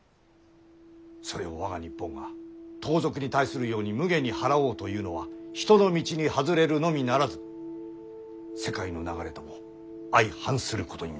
それを我が日本が盗賊に対するように無下に掃おうというのは人の道に外れるのみならず世界の流れとも相反することになる。